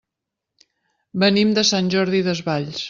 Venim de Sant Jordi Desvalls.